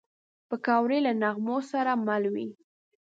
پکورې له نغمو سره مل وي